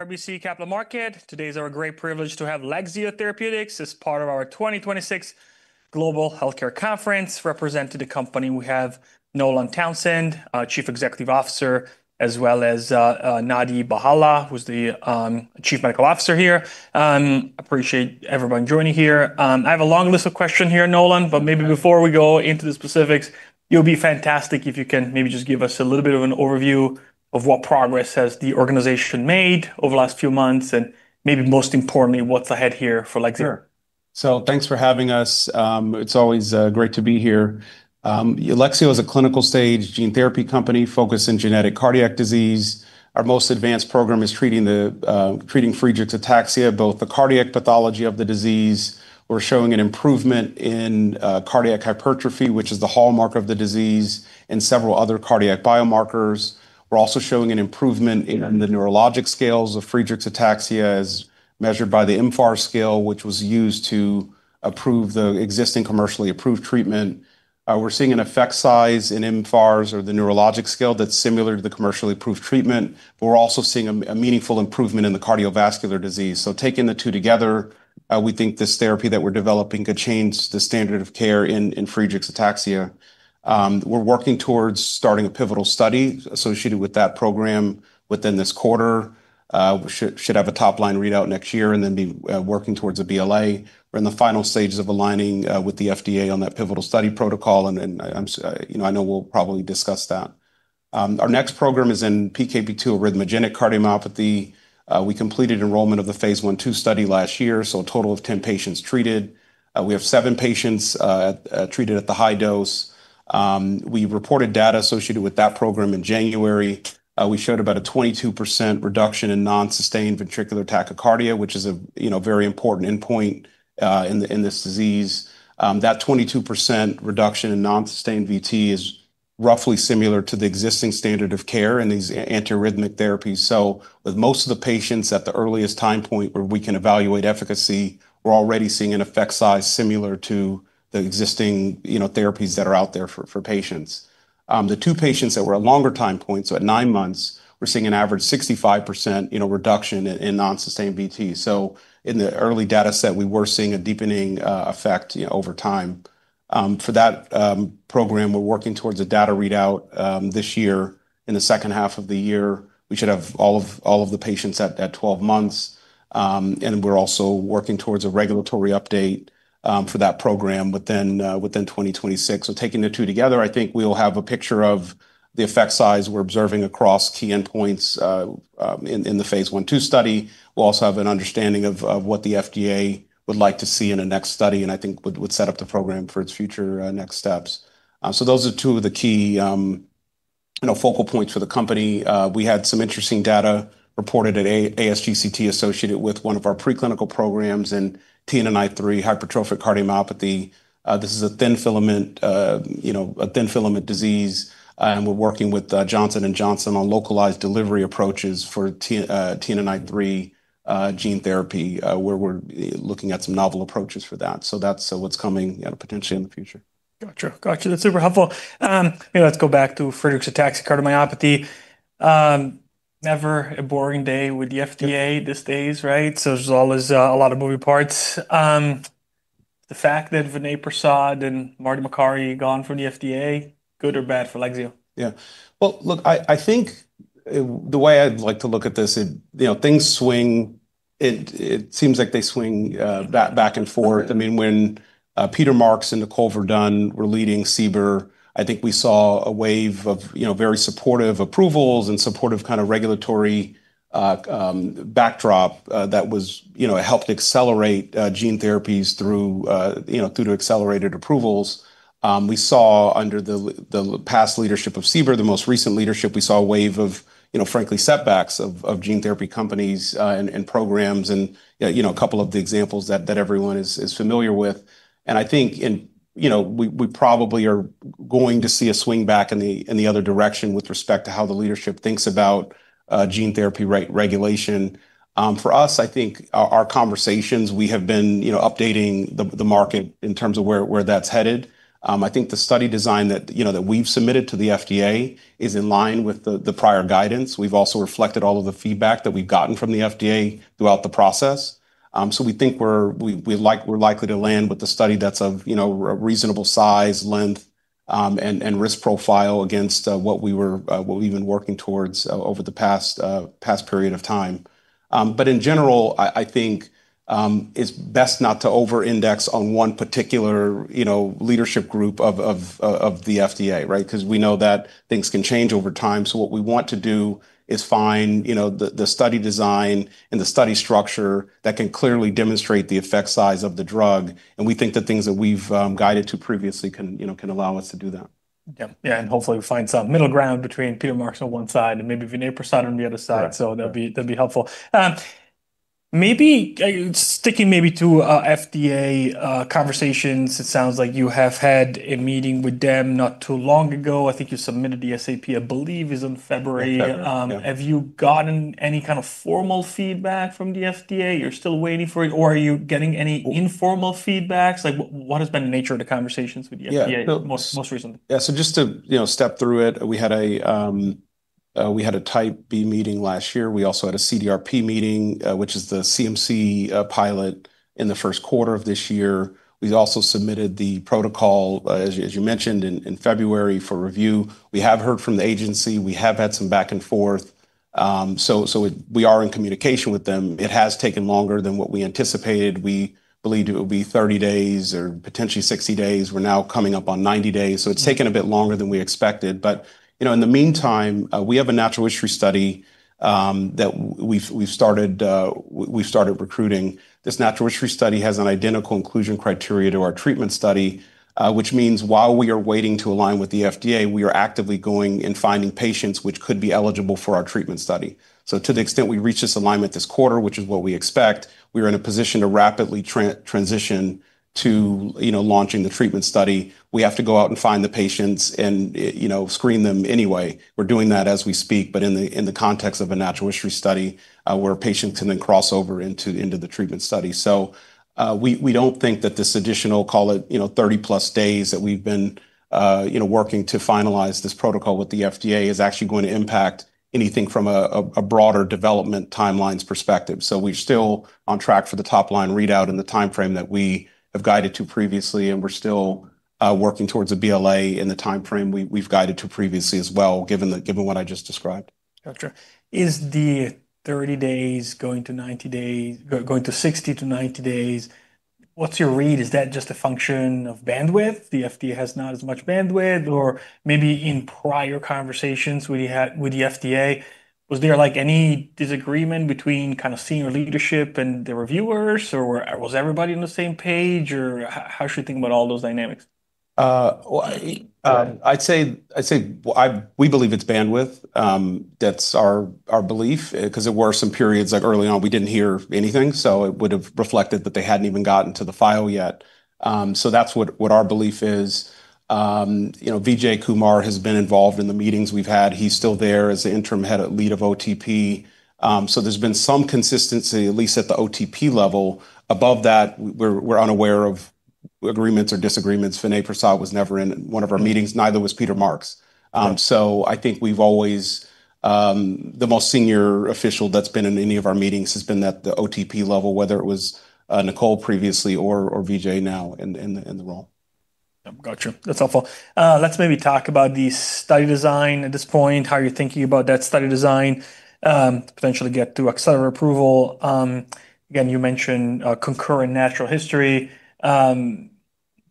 RBC Capital Markets. Today is our great privilege to have Lexeo Therapeutics as part of our 2026 Global Healthcare Conference. Representing the company, we have Nolan Townsend, our Chief Executive Officer, as well as Nani Bhalla, who's the Chief Medical Officer here. We appreciate everyone joining here. I have a long list of questions here, Nolan, but maybe before we go into the specifics, you'll be fantastic if you can maybe just give us a little bit of an overview of what progress has the organization made over the last few months, and maybe most importantly, what's ahead here for Lexeo. Sure. Thanks for having us. It's always great to be here. Lexeo is a clinical stage gene therapy company focused in genetic cardiac disease. Our most advanced program is treating Friedreich's ataxia, both the cardiac pathology of the disease. We're showing an improvement in cardiac hypertrophy, which is the hallmark of the disease, and several other cardiac biomarkers. We're also showing an improvement in. Yeah. The neurologic scales of Friedreich's ataxia as measured by the mFARS scale, which was used to approve the existing commercially approved treatment. We're seeing an effect size in mFARS or the neurologic scale that's similar to the commercially approved treatment. We're also seeing a meaningful improvement in the cardiovascular disease. Taking the two together, we think this therapy that we're developing could change the standard of care in Friedreich's ataxia. We're working towards starting a pivotal study associated with that program within this quarter. We should have a top-line readout next year and then be working towards a BLA. We're in the final stages of aligning with the FDA on that pivotal study protocol, and I, you know, I know we'll probably discuss that. Our next program is in PKP2 arrhythmogenic cardiomyopathy. We completed enrollment of the phase I/II study last year, so a total of 10 patients treated. We have seven patients treated at the high dose. We reported data associated with that program in January. We showed about a 22% reduction in non-sustained ventricular tachycardia, which is a, you know, very important endpoint in this disease. That 22% reduction in non-sustained VT is roughly similar to the existing standard of care in these anti-arrhythmic therapies. With most of the patients at the earliest time point where we can evaluate efficacy, we're already seeing an effect size similar to the existing, you know, therapies that are out there for patients. The two patients that were at longer time points, so at nine months, we're seeing an average 65%, you know, reduction in non-sustained VT. In the early data set, we were seeing a deepening effect, you know, over time. For that program, we're working towards a data readout this year. In the second half of the year we should have all of the patients at 12 months. And we're also working towards a regulatory update for that program within 2026. Taking the two together, I think we'll have a picture of the effect size we're observing across key endpoints in the phase I/II study. We'll also have an understanding of what the FDA would like to see in a next study, and I think would set up the program for its future next steps. Those are two of the key, you know, focal points for the company. We had some interesting data reported at ASGCT associated with one of our preclinical programs in TNNI3 hypertrophic cardiomyopathy. This is a thin filament, you know, a thin filament disease, and we're working with Johnson & Johnson on localized delivery approaches for TNNI3 gene therapy, where we're looking at some novel approaches for that. That's what's coming, you know, potentially in the future. Gotcha. Gotcha. That's super helpful. Maybe let's go back to Friedreich's ataxia cardiomyopathy. Never a boring day with the FDA these days, right? There's always a lot of moving parts. The fact that Vinay Prasad and Marty Makary gone from the FDA, good or bad for Lexeo? Yeah. Well, look, I think, the way I'd like to look at this it, you know, things swing. It seems like they swing back and forth. Sure. I mean, when Peter Marks and Nicole Verdun were leading CBER, I think we saw a wave of, you know, very supportive approvals and supportive kind of regulatory backdrop that helped accelerate gene therapies through, you know, through to accelerated approvals. We saw under the past leadership of CBER, the most recent leadership, we saw a wave of, you know, frankly, setbacks of gene therapy companies and programs and, you know, a couple of the examples that everyone is familiar with. I think in, you know, we probably are going to see a swing back in the other direction with respect to how the leadership thinks about gene therapy re-regulation. For us, I think our conversations, we have been, you know, updating the market in terms of where that's headed. I think the study design that, you know, that we've submitted to the FDA is in line with the prior guidance. We've also reflected all of the feedback that we've gotten from the FDA throughout the process. So we think we're likely to land with a study that's of, you know, a reasonable size, length, and risk profile against what we've been working towards over the past period of time. In general, I think it's best not to over-index on one particular, you know, leadership group of the FDA, right? Because we know that things can change over time. What we want to do is find, you know, the study design and the study structure that can clearly demonstrate the effect size of the drug. We think the things that we've guided to previously, you know, can allow us to do that. Yeah. Yeah, and hopefully we find some middle ground between Peter Marks on one side and maybe Vinay Prasad on the other side. Right. That'd be helpful. Maybe sticking to FDA conversations, it sounds like you have had a meeting with them not too long ago. I think you submitted the SAP, I believe is in February. In February, yeah. Have you gotten any kind of formal feedback from the FDA? You're still waiting for it, or are you getting any informal feedbacks? Like what has been the nature of the conversations with the FDA? Yeah. Most recently? Just to, you know, step through it, we had a Type B meeting last year. We also had a CDRP meeting, which is the CMC pilot in the first quarter of this year. We also submitted the protocol, as you mentioned in February for review. We have heard from the agency. We have had some back and forth. We are in communication with them. It has taken longer than what we anticipated. We believed it would be 30 days or potentially 60 days. We're now coming up on 90 days. It's taken a bit longer than we expected. You know, in the meantime, we have a natural history study that we've started recruiting. This natural history study has an identical inclusion criteria to our treatment study, which means while we are waiting to align with the FDA, we are actively going and finding patients which could be eligible for our treatment study. To the extent we reach this alignment this quarter, which is what we expect, we are in a position to rapidly transition to, you know, launching the treatment study. We have to go out and find the patients and, you know, screen them anyway. We're doing that as we speak, but in the context of a natural history study, where patients can then cross over into the treatment study. We don't think that this additional, call it, you know, 30+ days that we've been, you know, working to finalize this protocol with the FDA is actually going to impact anything from a broader development timelines perspective. We're still on track for the top-line readout in the timeframe that we have guided to previously, and we're still working towards a BLA in the timeframe we've guided to previously as well, given what I just described. Gotcha. Is the 30 days going to 90 days, going to 60-90 days, what's your read? Is that just a function of bandwidth? The FDA has not as much bandwidth or maybe in prior conversations with you had, with the FDA, was there, like, any disagreement between kind of senior leadership and the reviewers? Was everybody on the same page? How should we think about all those dynamics? Well. Go ahead. I'd say, we believe it's bandwidth. That's our belief, 'cause there were some periods, like early on, we didn't hear anything, so it would have reflected that they hadn't even gotten to the file yet. That's what our belief is. You know, Vijay Kumar has been involved in the meetings we've had. He's still there as the interim head, lead of OTP. There's been some consistency, at least at the OTP level. Above that, we're unaware of agreements or disagreements. Vinay Prasad was never in one of our meetings. Neither was Peter Marks. I think we've always the most senior official that's been in any of our meetings has been at the OTP level, whether it was Nicole previously or Vijay now in the role. Yep, gotcha. That's helpful. Let's maybe talk about the study design at this point. How are you thinking about that study design to potentially get through accelerated approval? Again, you mentioned concurrent natural history.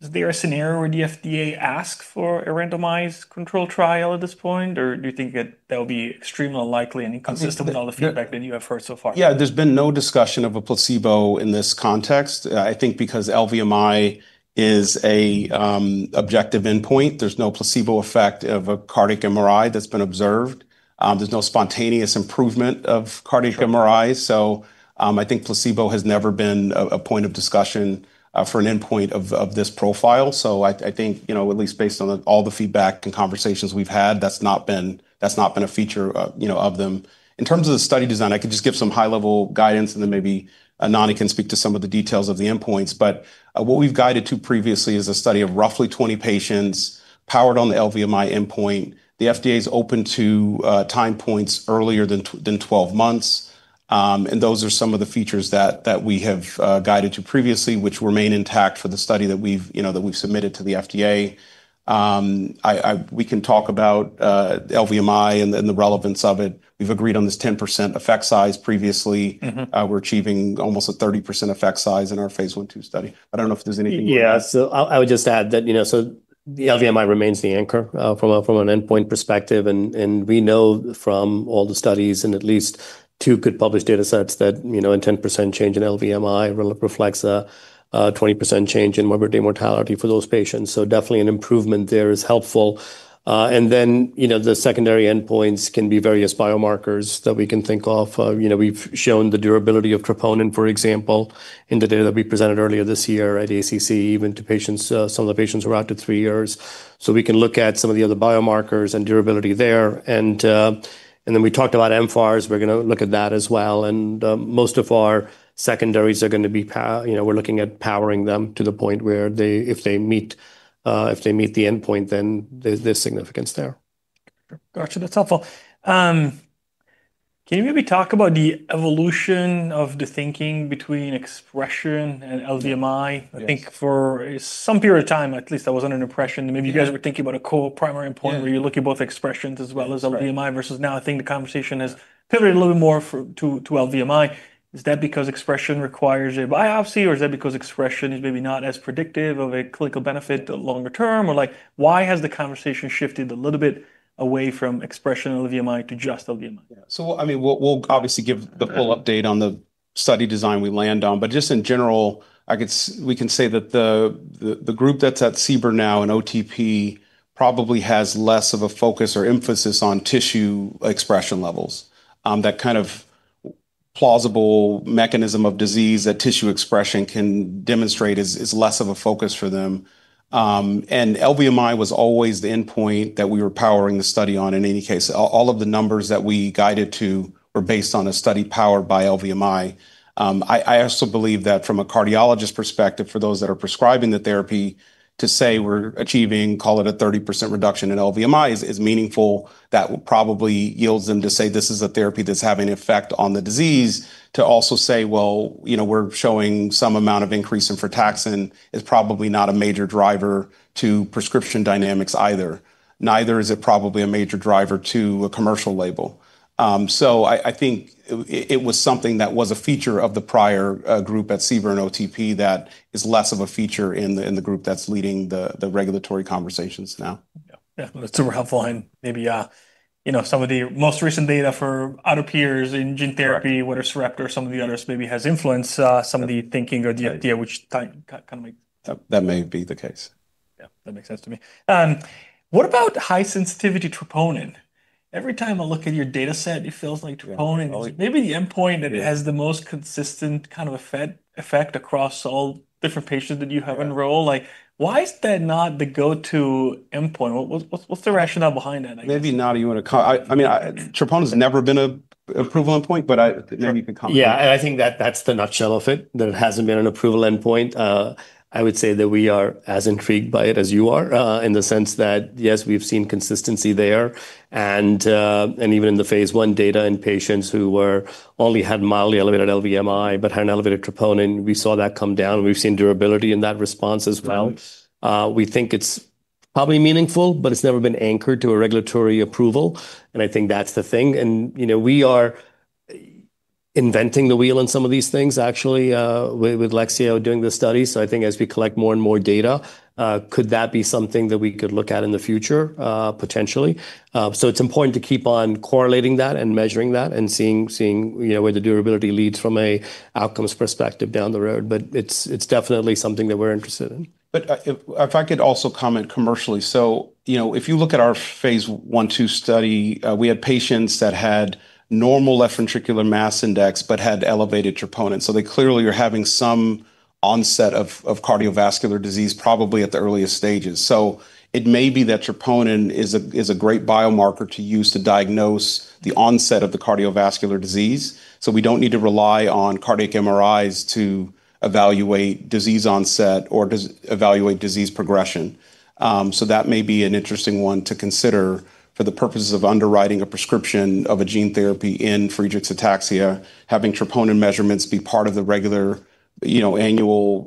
Is there a scenario where the FDA ask for a randomized control trial at this point, or do you think that that would be extremely unlikely and inconsistent with all the feedback that you have heard so far? Yeah, there's been no discussion of a placebo in this context, I think because LVMI is a objective endpoint. There's no placebo effect of a cardiac MRI that's been observed. There's no spontaneous improvement of cardiac MRI. Sure. I think placebo has never been a point of discussion for an endpoint of this profile. I think, you know, at least based on all the feedback and conversations we've had, that's not been a feature, you know, of them. In terms of the study design, I can just give some high-level guidance, and then maybe Nani can speak to some of the details of the endpoints. What we've guided to previously is a study of roughly 20 patients powered on the LVMI endpoint. The FDA's open to time points earlier than 12 months. Those are some of the features that we have guided to previously, which remain intact for the study that we've, you know, that we've submitted to the FDA. We can talk about LVMI and the relevance of it. We've agreed on this 10% effect size previously. We're achieving almost a 30% effect size in our phase I and II study. I would just add that, you know, the LVMI remains the anchor from an endpoint perspective. We know from all the studies and at least two good published data sets that, you know, a 10% change in LVMI reflects a 20% change in mortality for those patients. Definitely an improvement there is helpful. You know, the secondary endpoints can be various biomarkers that we can think of. You know, we've shown the durability of troponin, for example, in the data that we presented earlier this year at ACC, even to patients, some of the patients who are out to three years. We can look at some of the other biomarkers and durability there. We talked about mFARS. We're gonna look at that as well. Most of our secondaries are gonna be you know, we're looking at powering them to the point where they, if they meet, if they meet the endpoint, then there's significance there. Gotcha. That's helpful. Can you maybe talk about the evolution of the thinking between expression and LVMI? Yes. I think for some period of time, at least I was under impression that maybe you guys were thinking about a co-primary endpoint. Yeah Where you're looking both expressions as well as. That's right. LVMI versus now I think the conversation has pivoted a little bit more for, to LVMI. Is that because expression requires a biopsy, or is that because expression is maybe not as predictive of a clinical benefit longer term? Like, why has the conversation shifted a little bit away from expression LVMI to just LVMI? I mean, we'll obviously give the full update on the study design we land on. Just in general, we can say that the group that's at CBER now and OTP probably has less of a focus or emphasis on tissue expression levels. That kind of plausible mechanism of disease that tissue expression can demonstrate is less of a focus for them. LVMI was always the endpoint that we were powering the study on in any case. All of the numbers that we guided to were based on a study powered by LVMI. I also believe that from a cardiologist perspective, for those that are prescribing the therapy to say we're achieving, call it a 30% reduction in LVMI is meaningful. That probably yields them to say, "This is a therapy that's having effect on the disease," to also say, "Well, you know, we're showing some amount of increase in frataxin," is probably not a major driver to prescription dynamics either. Neither is it probably a major driver to a commercial label. I think it was something that was a feature of the prior group at CBER and OTP that is less of a feature in the group that's leading the regulatory conversations now. Yeah. Yeah. That's super helpful. Maybe, you know, some of the most recent data for other peers in gene therapy. Correct Whether it's Raptor or some of the others maybe has influenced, some of the thinking or the idea. That may be the case. Yeah. That makes sense to me. What about high sensitivity troponin? Every time I look at your data set, it feels like troponin. Maybe the endpoint that has the most consistent kind of effect across all different patients that you have enroll. Like, why is that not the go-to endpoint? What's the rationale behind that, I guess? Maybe, Nani, you wanna comment. I mean, troponin's never been a approval endpoint, but maybe you can comment. Yeah, and I think that that's the nutshell of it. That it hasn't been an approval endpoint. I would say that we are as intrigued by it as you are, in the sense that, yes, we've seen consistency there. Even in the phase I data in patients who were only had mildly elevated LVMI but had an elevated troponin, we saw that come down. We've seen durability in that response as well. We think it's probably meaningful, but it's never been anchored to a regulatory approval. I think that's the thing. You know, we are inventing the wheel in some of these things, actually, with Lexeo doing the study. I think as we collect more and more data, could that be something that we could look at in the future? Potentially. It's important to keep on correlating that and measuring that and seeing, you know, where the durability leads from an outcomes perspective down the road. It's definitely something that we're interested in. If I could also comment commercially. You know, if you look at our phase I/II study, we had patients that had normal left ventricular mass index but had elevated troponin, so they clearly are having some onset of cardiovascular disease probably at the earliest stages. It may be that troponin is a great biomarker to use to diagnose the onset of the cardiovascular disease, so we don't need to rely on cardiac MRIs to evaluate disease onset or evaluate disease progression. That may be an interesting one to consider for the purposes of underwriting a prescription of a gene therapy in Friedreich's ataxia, having troponin measurements be part of the regular, you know, annual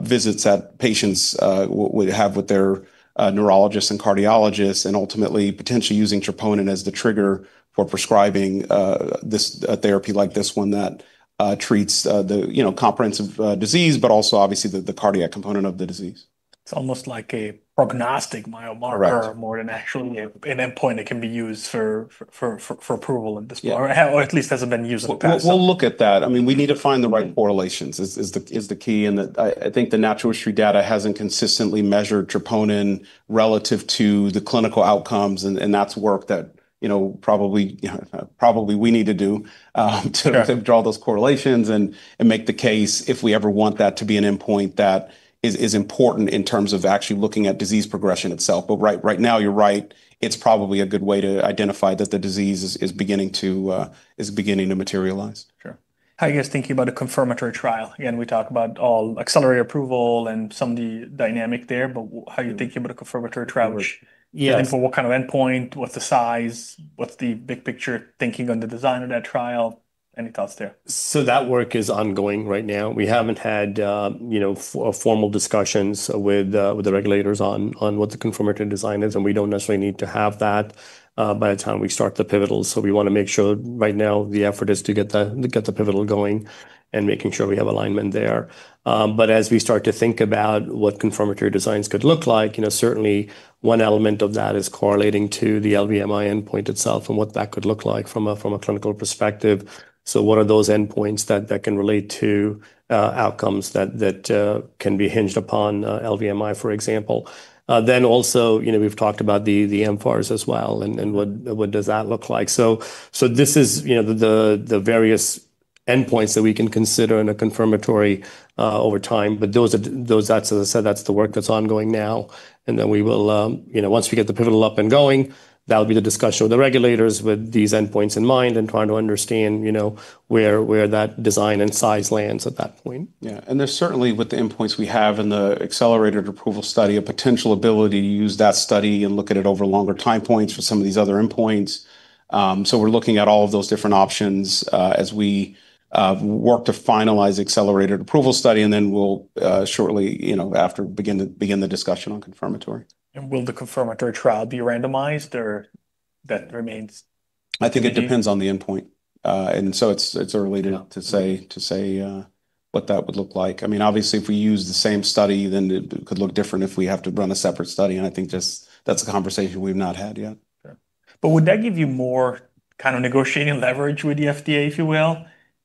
visits that patients would have with their neurologists and cardiologists, and ultimately potentially using troponin as the trigger for prescribing this, a therapy like this one that treats the, you know, comprehensive disease, but also obviously the cardiac component of the disease. It's almost like a prognostic biomarker. Correct. More than actually an endpoint that can be used for approval in this. Yeah. Or at least hasn't been used in the past. We'll look at that. I mean, we need to find the right correlations is the key. I think the natural history data hasn't consistently measured troponin relative to the clinical outcomes, and that's work that, you know, probably we need to do. Yeah. To draw those correlations and make the case if we ever want that to be an endpoint that is important in terms of actually looking at disease progression itself. Right now, you're right, it's probably a good way to identify that the disease is beginning to materialize. Sure. How are you guys thinking about a confirmatory trial? Again, we talk about all accelerated approval and some of the dynamic there, how are you thinking about a confirmatory trial? Which. Yes. For what kind of endpoint, what's the size, what's the big picture thinking on the design of that trial? Any thoughts there? That work is ongoing right now. We haven't had, you know, formal discussions with the regulators on what the confirmatory design is. We don't necessarily need to have that by the time we start the pivotal. We wanna make sure right now the effort is to get the pivotal going and making sure we have alignment there. As we start to think about what confirmatory designs could look like, you know, certainly one element of that is correlating to the LVMI endpoint itself and what that could look like from a clinical perspective. What are those endpoints that can relate to outcomes that can be hinged upon LVMI, for example? Also, you know, we've talked about the mFARS as well and what does that look like? This is, you know, the various endpoints that we can consider in a confirmatory over time. That's, as I said, that's the work that's ongoing now, we will, you know, once we get the pivotal up and going, that'll be the discussion with the regulators with these endpoints in mind and trying to understand, you know, where that design and size lands at that point. Yeah. There's certainly with the endpoints we have in the accelerated approval study, a potential ability to use that study and look at it over longer time points for some of these other endpoints. We're looking at all of those different options, as we work to finalize accelerated approval study. We'll shortly, you know, after begin the discussion on confirmatory. Will the confirmatory trial be randomized, or that remains to be seen? I think it depends on the endpoint. It's early enough to say what that would look like. I mean, obviously, if we use the same study, then it could look different if we have to run a separate study. I think just that's a conversation we've not had yet. Sure. Would that give you more kind of negotiating leverage with the FDA, if you will?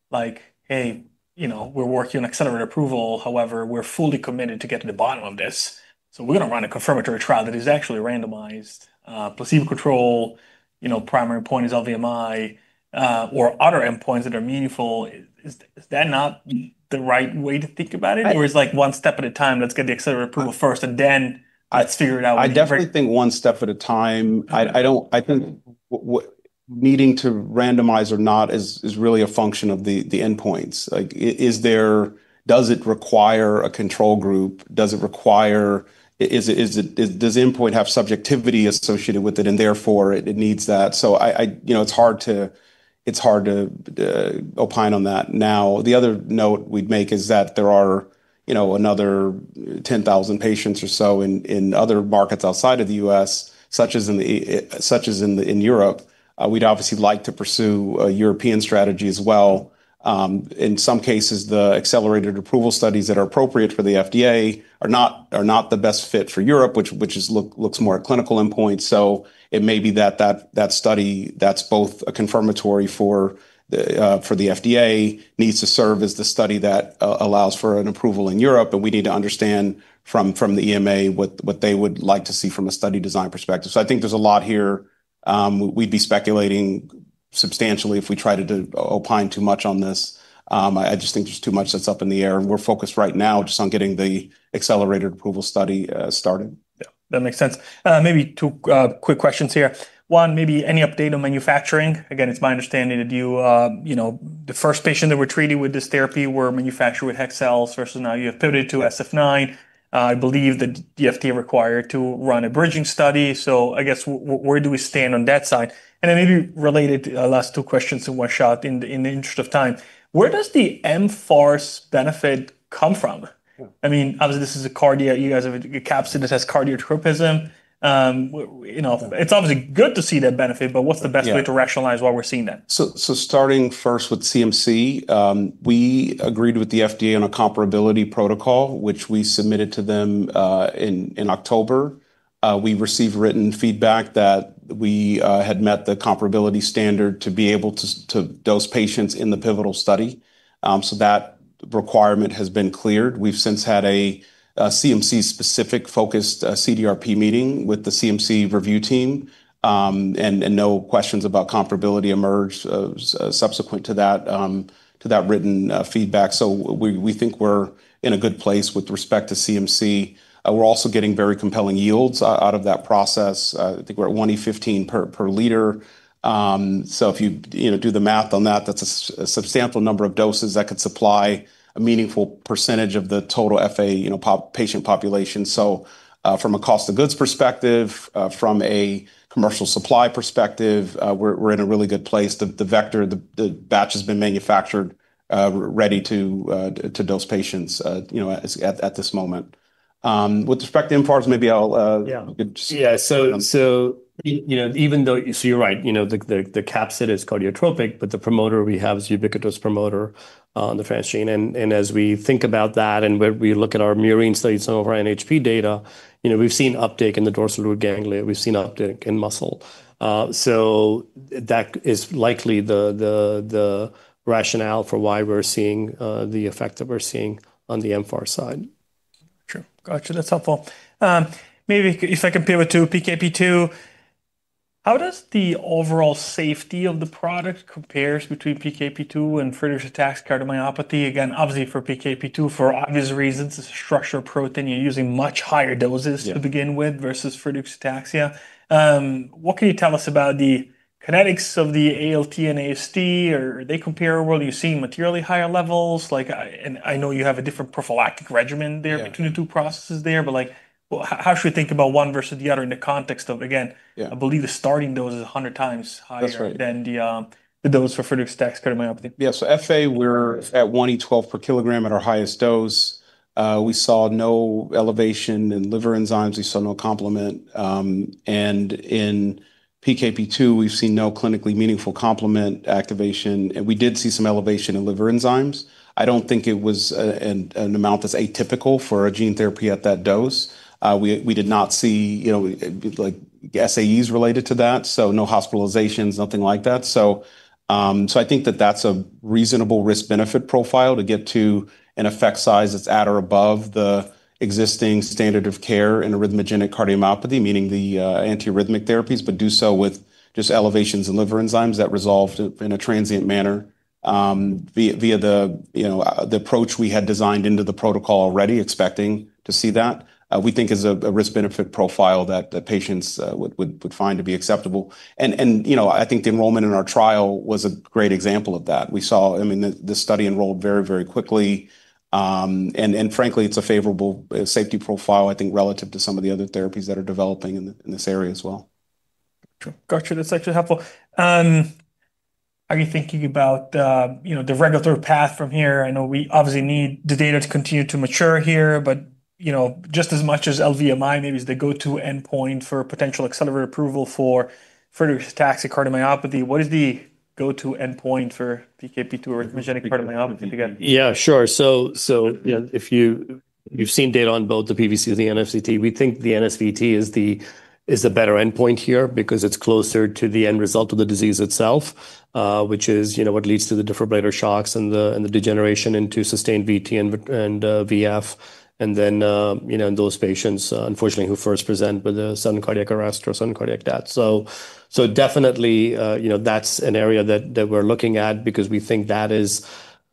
Like, "Hey, you know, we're working on accelerated approval, however, we're fully committed to getting to the bottom of this, so we're gonna run a confirmatory trial that is actually randomized, placebo control, you know, primary point is LVMI, or other endpoints that are meaningful." Is that not the right way to think about it? I. Is, like, one step at a time, let's get the accelerated approval first, and then let's figure it out later? I definitely think one step at a time. I don't think needing to randomize or not is really a function of the endpoints. Like, is there, does it require a control group? Does it require is it, does the endpoint have subjectivity associated with it, and therefore it needs that? I You know, it's hard to opine on that now. The other note we'd make is that You know, another 10,000 patients or so in other markets outside of the U.S. such as in Europe. We'd obviously like to pursue a European strategy as well. In some cases, the accelerated approval studies that are appropriate for the FDA are not the best fit for Europe, which looks more at clinical endpoint. It may be that that study that's both a confirmatory for the FDA needs to serve as the study that allows for an approval in Europe, and we need to understand from the EMA what they would like to see from a study design perspective. I think there's a lot here. We'd be speculating substantially if we try to opine too much on this. I just think there's too much that's up in the air, and we're focused right now just on getting the accelerated approval study started. Yeah, that makes sense. Maybe two quick questions here. One, maybe any update on manufacturing? Again, it's my understanding that you know, the first patient that we're treating with this therapy were manufactured with HEK cells versus now you have pivoted to Sf9. I believe the FDA required to run a bridging study. I guess where do we stand on that side? Then maybe related, last two questions in one shot in the, in the interest of time, where does the mFARS benefit come from? I mean, obviously, this is a cardiac. You guys have a capsid that has cardiotropism. You know, it's obviously good to see that benefit. Yeah. What's the best way to rationalize why we're seeing that? Starting first with CMC, we agreed with the FDA on a comparability protocol, which we submitted to them in October. We received written feedback that we had met the comparability standard to be able to dose patients in the pivotal study. That requirement has been cleared. We've since had a CMC specific focused CDRP meeting with the CMC review team, no questions about comparability emerged subsequent to that written feedback. We think we're in a good place with respect to CMC. We're also getting very compelling yields out of that process. I think we're at 1E15 vg/L. So if you know, do the math on that's a substantial number of doses that could supply a meaningful percentage of the total FA, you know, patient population. From a cost of goods perspective, from a commercial supply perspective, we're in a really good place. The vector, the batch has been manufactured, ready to dose patients, you know, at this moment. With respect to mFARS, maybe I'll. Yeah. Just. Yeah. You know, even though you're right, you know, the capsid is cardiotropic, but the promoter we have is ubiquitous promoter on the transgene. As we think about that and when we look at our murine studies and some of our NHP data, you know, we've seen uptake in the dorsal root ganglia. We've seen uptake in muscle. That is likely the rationale for why we're seeing the effect that we're seeing on the mFARS side. True. Got you. That's helpful. Maybe if I compare with two PKP2, how does the overall safety of the product compares between PKP2 and Friedreich's ataxia cardiomyopathy? Again, obviously for PKP2 for obvious reasons, it's a structural protein. You're using much higher doses. Yeah. To begin with versus Friedreich's ataxia. What can you tell us about the kinetics of the ALT and AST? Are they comparable? Are you seeing materially higher levels? Like, and I know you have a different prophylactic regimen there. Yeah. Between the two processes there. Like, well, how should we think about one versus the other in the context of? Yeah. I believe the starting dose is 100x higher. That's right. Than the dose for Friedreich's ataxia cardiomyopathy. Yeah. FA we're at 1E12 vg/kg at our highest dose. We saw no elevation in liver enzymes. We saw no complement. In PKP2, we've seen no clinically meaningful complement activation. We did see some elevation in liver enzymes. I don't think it was an amount that's atypical for a gene therapy at that dose. We did not see, you know, like SAEs related to that, no hospitalizations, nothing like that. I think that that's a reasonable risk-benefit profile to get to an effect size that's at or above the existing standard of care in arrhythmogenic cardiomyopathy, meaning the anti-arrhythmic therapies, but do so with just elevations in liver enzymes that resolved in a transient manner, via the approach we had designed into the protocol already expecting to see that. We think is a risk-benefit profile that the patients would find to be acceptable. You know, I think the enrollment in our trial was a great example of that. We saw I mean, the study enrolled very quickly. Frankly, it's a favorable safety profile, I think relative to some of the other therapies that are developing in this area as well. True. Got you. That's actually helpful. Are you thinking about, you know, the regulatory path from here? I know we obviously need the data to continue to mature here, but you know, just as much as LVMI maybe is the go-to endpoint for potential accelerated approval for Friedreich's ataxia cardiomyopathy, what is the go-to endpoint for PKP2 arrhythmogenic cardiomyopathy again? Yeah, sure. You know, you've seen data on both the PVCs and the NSVT. We think the NSVT is the better endpoint here because it's closer to the end result of the disease itself, which is, you know, what leads to the defibrillator shocks and the degeneration into sustained VT and VF. You know, in those patients, unfortunately, who first present with a sudden cardiac arrest or sudden cardiac death. Definitely, you know, that's an area that we're looking at because we think that is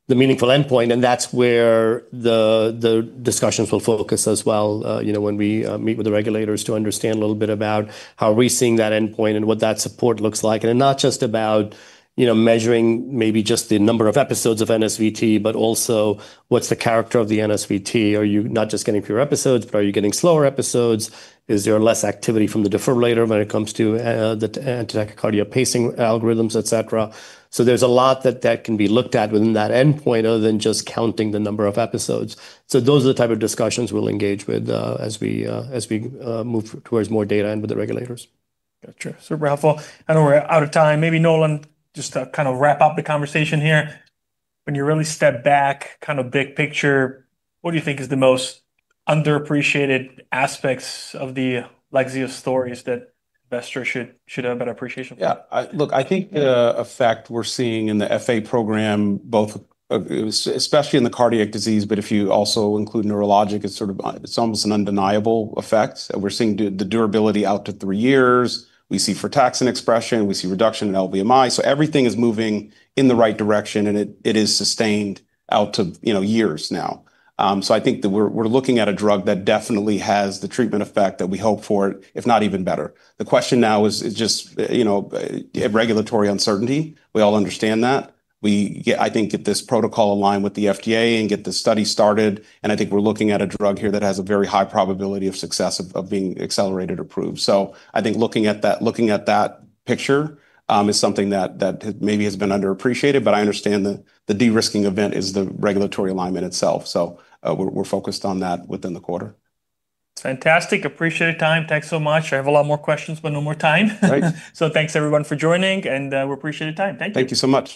the meaningful endpoint, and that's where the discussions will focus as well, you know, when we meet with the regulators to understand a little bit about how are we seeing that endpoint and what that support looks like. Not just about, you know, measuring maybe just the number of episodes of NSVT, but also what's the character of the NSVT? Are you not just getting fewer episodes, but are you getting slower episodes? Is there less activity from the defibrillator when it comes to the anti-tachycardia pacing algorithms, et cetera? There's a lot that can be looked at within that endpoint other than just counting the number of episodes. Those are the type of discussions we'll engage with as we move towards more data and with the regulators. Gotcha. Super helpful. I know we're out of time. Maybe Nolan, just to kind of wrap up the conversation here, when you really step back, kind of big picture, what do you think is the most underappreciated aspects of the Lexeo stories that investors should have better appreciation for? Yeah. I think the effect we're seeing in the FA program, both especially in the cardiac disease, but if you also include neurologic, it's sort of it's almost an undeniable effect. We're seeing the durability out to three years. We see frataxin expression. We see reduction in LVMI. Everything is moving in the right direction, and it is sustained out to, you know, years now. I think that we're looking at a drug that definitely has the treatment effect that we hope for, if not even better. The question now is just, you know, regulatory uncertainty. We all understand that. I think get this protocol aligned with the FDA and get this study started, and I think we're looking at a drug here that has a very high probability of success of being accelerated approved. I think looking at that picture, is something that maybe has been underappreciated, but I understand the de-risking event is the regulatory alignment itself. We're focused on that within the quarter. Fantastic. Appreciate your time. Thanks so much. I have a lot more questions, but no more time. Great. Thanks everyone for joining, and we appreciate your time. Thank you. Thank you so much.